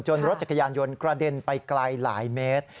รถจักรยานยนต์กระเด็นไปไกลหลายเมตร